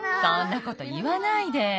そんなこといわないで。